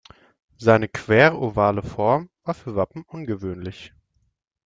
Seine querovale Form war für Wappen ungewöhnlich.